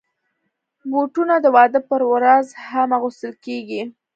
بوټونه د واده پر ورځ هم اغوستل کېږي.